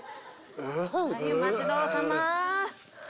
お待ちどおさま！